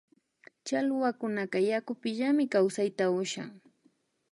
Challwakunaka yakupimillami kawsay ushan